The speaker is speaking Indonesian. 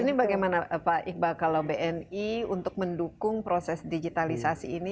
ini bagaimana pak iqbal kalau bni untuk mendukung proses digitalisasi ini